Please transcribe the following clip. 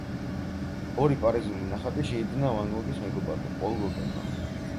ორი პარიზული ნახატი შეიძინა ვან გოგის მეგობარმა, პოლ გოგენმა.